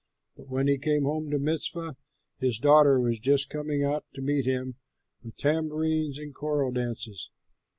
But when he came home to Mizpah, his daughter was just coming out to meet him with tambourines and choral dances.